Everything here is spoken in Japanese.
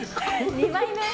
２枚目？